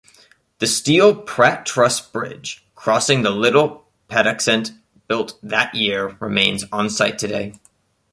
The steel Pratt-truss bridge crossing the Little Patuxent built that year remains onsite today.